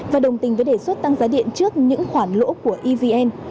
và đồng tình với đề xuất tăng giá điện trước những khoản lỗ của evn